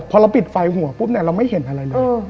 พอเราปิดไฟหัวปุ๊บเนี่ยเราไม่เห็นอะไรเลย